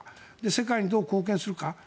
世界にどう貢献するか。